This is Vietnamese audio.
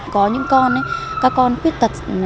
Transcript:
có những con các con khuyết tật